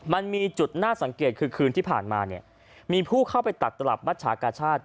มันมีจุดน่าสังเกตคือคืนที่ผ่านมาเนี่ยมีผู้เข้าไปตัดตลับมัชชากาชาติ